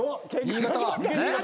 新潟！